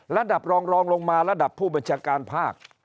ระดับรองรองลงมาระดับผู้บัญชาการภาค